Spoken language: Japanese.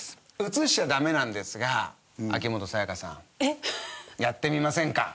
映しちゃダメなんですが秋元才加さんやってみませんか？